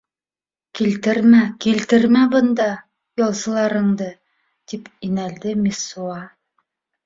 — Килтермә, килтермә бында... ялсыларыңды, — тип инәлде Мессуа.